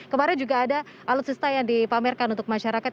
kemarin juga ada alutsista yang dipamerkan untuk masyarakat